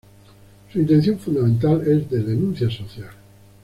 Su intención fundamental es de denuncia social.